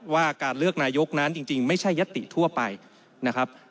ว่าการเลือกนายกนั้นจริงไม่ใช่ยัตติทั่วไปนะครับ